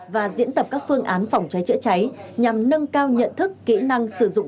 và diễn tập các phương án phòng cháy chữa cháy nhằm nâng cao nhận thức kỹ năng sử dụng